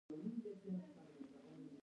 ایا زه له ورور سره راشم؟